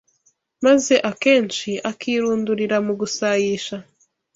maze akenshi akirundurira mu gusayisha